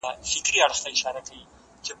زه هره ورځ د کتابتون پاکوالی کوم!